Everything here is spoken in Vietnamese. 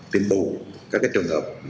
tiêm bù các cái trường hợp